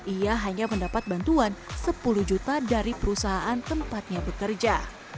ia hanya mendapat bantuan sepuluh juta dari perusahaan tempatnya bekerja